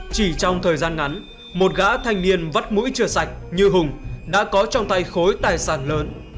chỉ trong thời gian ngắn một gã thanh niên vắt mũi chưa sạch như hùng đã có trong tay khối tài sản lớn